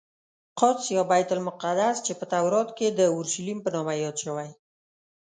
قدس یا بیت المقدس چې په تورات کې د اورشلیم په نامه یاد شوی.